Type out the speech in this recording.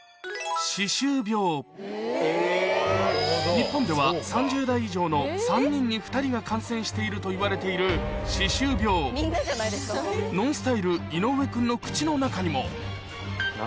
日本では３０代以上の３人に２人が感染しているといわれている歯周病の口の中にも何？